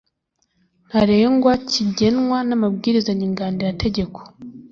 ntarengwa kigenwa n amabwiriza nyunganirategeko